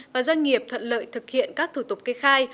và doanh nghiệp thuận lợi thực hiện các thủ tục kê khai